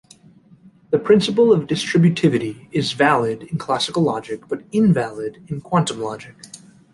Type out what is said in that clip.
The principle of distributivity is valid in classical logic, but invalid in quantum logic.